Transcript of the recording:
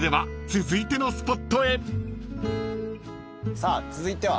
さあ続いては？